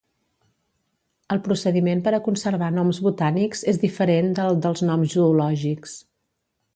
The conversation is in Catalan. El procediment per a conservar noms botànics és diferent del dels noms zoològics.